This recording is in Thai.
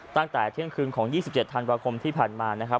ตั้งแต่เที่ยงคืนของ๒๗ธันวาคมที่ผ่านมานะครับ